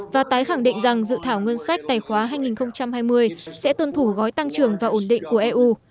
và tái khẳng định rằng dự thảo ngân sách tài khoá hai nghìn hai mươi sẽ tuân thủ gói tăng trưởng và ổn định của eu